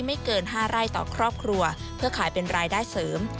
เกิน๕ไร่ต่อครอบครัวเพื่อขายเป็นรายได้เสริม